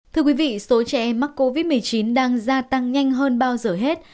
thưa quý vị số trẻ em mắc covid một mươi chín đang gia tăng nhanh hơn bao giờ hết